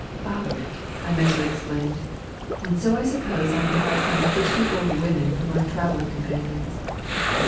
"Bother it!" I mentally exclaimed, "and so I suppose I am to have some fidgety old women for my travelling companions."